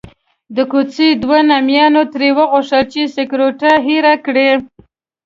د کوڅې دوو نامیانو ترې وغوښتل چې سکروټه ایره کړي.